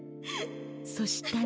そしたら。